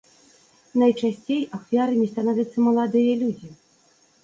Найчасцей ахвярамі становяцца маладыя людзі.